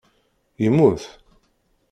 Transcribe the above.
Yemmut?